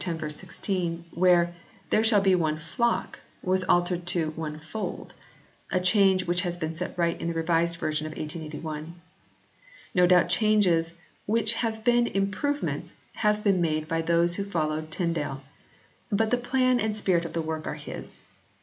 16 where "there shall be one flock " was altered to " one fold" a change which has been set right in the Revised Version of 1881. No doubt changes which have been improve ments have been made by those who followed Tyn dale ; but the plan and spirit of the work are his.